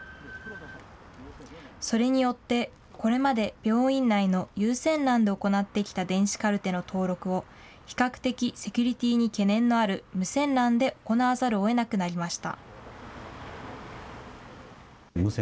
それによって、これまで病院内の有線ＬＡＮで行ってきた電子カルテの登録を、比較的セキュリティーに懸念のある無線ＬＡＮで行わざるをえなくなりました。